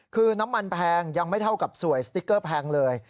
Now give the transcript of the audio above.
คือน้ำมันแพงยังไม่เท่ากับสวยสติ๊กเกอร์แพงเลย